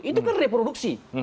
itu kan reproduksi